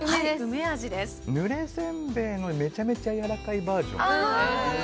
ぬれせんべいのめちゃめちゃやわらかいバージョンかな。